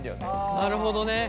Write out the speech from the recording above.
なるほどね。